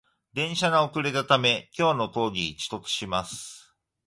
電車が遅れたため、今日の講義に遅刻します